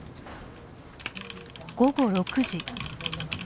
午後６時。